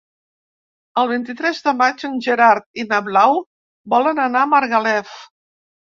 El vint-i-tres de maig en Gerard i na Blau volen anar a Margalef.